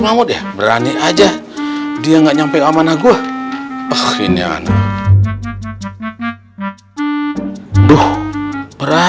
mahmud ya berani aja dia nggak nyampe kemana